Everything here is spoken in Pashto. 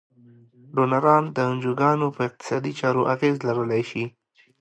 ډونران د انجوګانو په اقتصادي چارو اغیز لرلای شي.